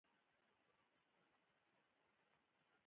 د شپږیزې لیګ هر کال ترسره کیږي.